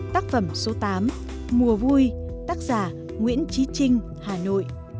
tác phẩm số tám mùa vui tác giả nguyễn trí trinh hà nội